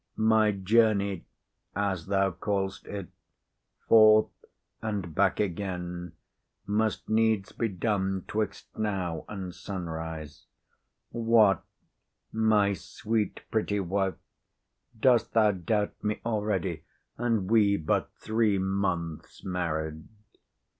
My journey, as thou callest it, forth and back again, must needs be done 'twixt now and sunrise. What, my sweet, pretty wife, dost thou doubt me already, and we but three months married?"